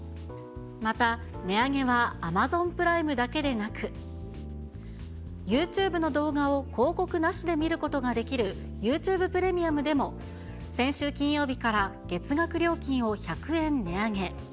また、値上げはアマゾンプライムだけでなく、ユーチューブの動画を広告なしで見ることができるユーチューブプレミアムでも、先週金曜日から月額料金を１００円値上げ。